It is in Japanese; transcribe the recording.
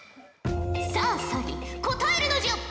さあ咲莉答えるのじゃ！